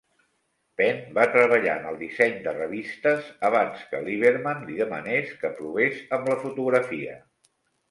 Penn va treballar en el disseny de revistes abans que Liberman li demanés que provés amb la fotografia.